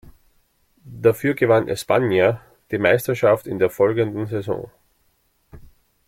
Dafür gewann España die Meisterschaft in der folgenden Saison.